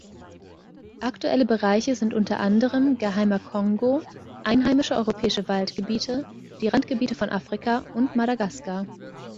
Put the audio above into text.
Aktuelle Bereiche sind unter anderem: Geheimer Kongo, einheimische europäische Waldgebiete, die Randgebiete von Afrika und Madagaskar.